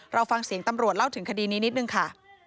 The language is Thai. เราฟังเสียงตำรวจเล่าถึงคดีนี้นิดนึงค่ะ